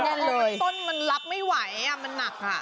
แน่นเลยต้นมันรับไม่ไหวมันหนักค่ะ